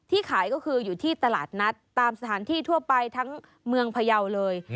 ขายก็คืออยู่ที่ตลาดนัดตามสถานที่ทั่วไปทั้งเมืองพยาวเลย